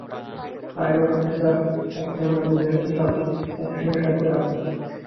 Pilot officer সাক্সেনার রুমের চাবি সাক্সেনা সাহেবকে ডাকুন।